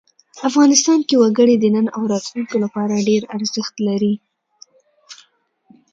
افغانستان کې وګړي د نن او راتلونکي لپاره ډېر ارزښت لري.